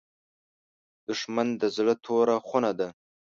دښمن د زړه توره خونه ده